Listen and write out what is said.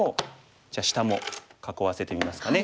じゃあ下も囲わせてみますかね。